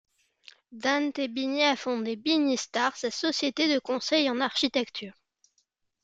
Dante Bini a fondé Binistar, sa société de conseil en architecture.